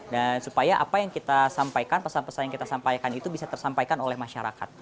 dan supaya apa yang kita sampaikan pesan pesan yang kita sampaikan itu bisa tersampaikan oleh masyarakat